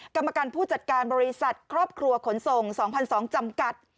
กรรมการผู้จัดการบริษัทครอบครัวขนส่ง๒๒๐๐จำกัด